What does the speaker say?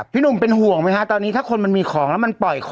พี่หนุ่มเป็นห่วงไหมคะตอนนี้ถ้าคนมันมีของแล้ว